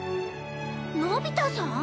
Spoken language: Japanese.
のび太さん！？